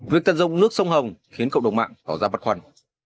việc tận dụng nước sông hồng khiến cộng đồng mạng tỏ ra bật khoăn